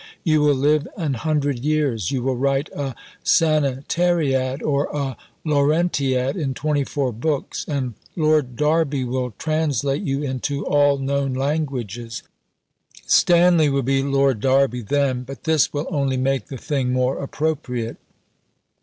You will live an hundred years. You will write a Sanitariad or a Lawrentiad in 24 books, and Lord Derby will translate you into all known languages. Stanley will be Lord Derby then, but this will only make the thing more appropriate."